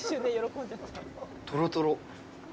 とろとろ。